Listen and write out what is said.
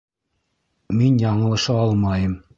Мин яңылыша алмайым.